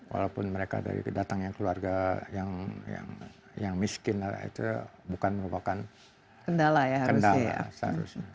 walaupun mereka dari datangnya keluarga yang miskin itu bukan merupakan kendala seharusnya